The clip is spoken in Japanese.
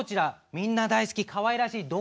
みんな大好きかわいらしいどーもくん。